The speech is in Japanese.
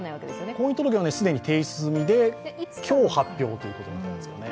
婚姻届は既に提出済みで、今日発表ということなんですね。